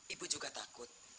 ibu juga takut